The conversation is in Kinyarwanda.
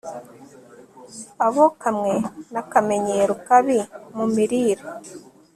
Abokamwe nakamenyero kabi mu mirire